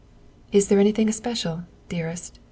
"Is it anything especial, dearest?"